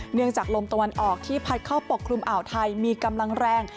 ลมจากลมตะวันออกที่พัดเข้าปกคลุมอ่าวไทยมีกำลังแรง